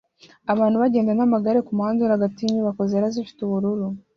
Abantu bagenda n'amagare kumuhanda uri hagati yinyubako zera zifite ubururu